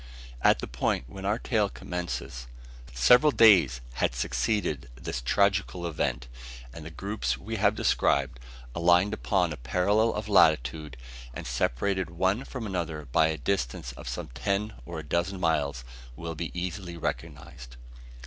At the period when our tale commences, several days had succeeded this tragical event; and the groups we have described, aligned upon a parallel of latitude, and separated one from another by a distance of some ten or a dozen miles, will be easily recognised.